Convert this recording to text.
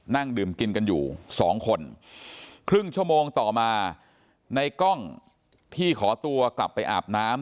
นั่งดื่มกินกันอยู่สองคนครึ่งชั่วโมงต่อมาในกล้องที่ขอตัวกลับไปอาบน้ำ